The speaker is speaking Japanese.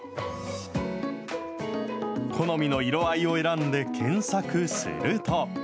好みの色合いを選んで検索すると。